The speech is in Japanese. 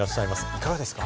いかがですか？